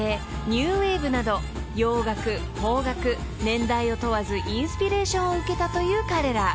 ニューウエーブなど洋楽邦楽年代を問わずインスピレーションを受けたという彼ら］